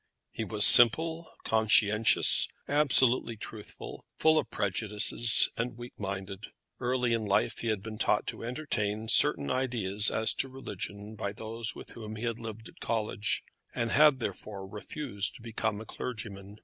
He was simple, conscientious, absolutely truthful, full of prejudices, and weak minded. Early in life he had been taught to entertain certain ideas as to religion by those with whom he had lived at college, and had therefore refused to become a clergyman.